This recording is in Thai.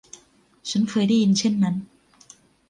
ฉันเคยได้ยินเช่นนั้น